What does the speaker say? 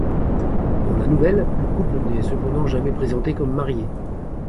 Dans la nouvelle, le couple n'est cependant jamais présenté comme marié.